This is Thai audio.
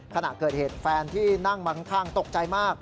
ขณะเกิดเหตุแฟนที่นั่งมาข้างตกใจมาก